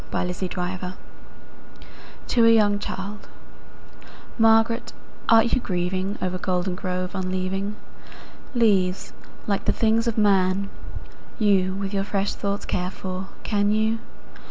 Spring and Fall to a young childMÁRGARÉT, áre you gríevingOver Goldengrove unleaving? Leáves, líke the things of man, youWith your fresh thoughts care for, can you?